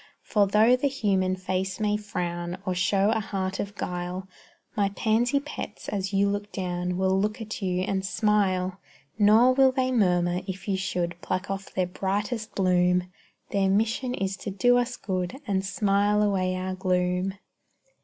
For though the human face may frown, Or show a heart of guile, My pansy pets as you look down Will look at you and smile; Nor will they murmur if you should Pluck off their brightest bloom; Their mission is to do us good, And smile away our gloom.